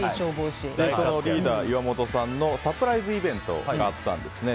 リーダー、岩本さんのサプライズイベントがあったんですね。